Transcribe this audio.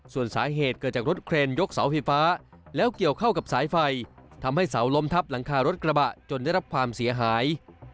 ส่วนสาเหตุเกิดจากรถเครนยกเสาไฟฟ้าแล้วเกี่ยวเข้ากับสายไฟทำให้เสาล้มทับหลังคารถกระบะจนได้รับความเสียหาย